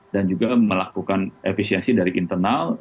dan juga melakukan efisiensi dari internal